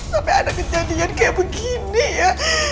sampai ada kejadian kayak begini ya